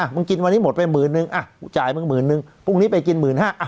มึงกินวันนี้หมดไปหมื่นนึงจ่ายมึงหมื่นนึงพรุ่งนี้ไปกินหมื่นห้า